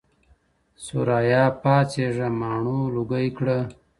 ثریا پا څېږه ماڼو لوګی کړه